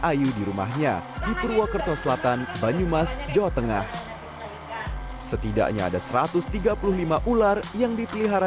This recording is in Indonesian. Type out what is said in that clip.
ayu di rumahnya di purwokerto selatan banyumas jawa tengah setidaknya ada satu ratus tiga puluh lima ular yang dipelihara